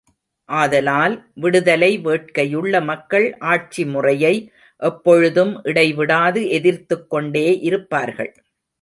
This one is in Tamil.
ஆதலால், விடுதலை வேட்கையுள்ள மக்கள் ஆட்சி முறையை எப்பொழுதும் இடைவிடாது எதிர்த்துக்கொண்டே இருப்பார்கள்.